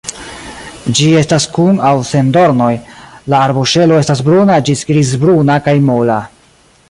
Ĝi estas kun aŭ sen dornoj, la arboŝelo estas bruna ĝis grizbruna kaj mola.